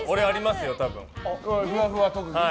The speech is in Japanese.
ふわふわ特技？